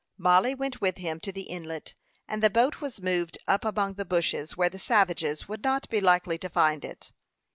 Mollie went with him to the inlet, and the boat was moved up among the bushes where the savages would not be likely to find it.